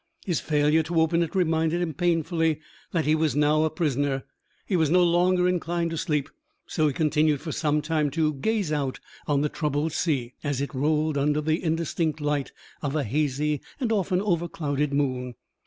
His failure to open it reminded him painfully that he was now a prisoner. He was no longer inclined to sleep, so he continued for some time to gaze out on the troubled sea, as it rolled under the indistinct light of a hazy and often overclouded moon.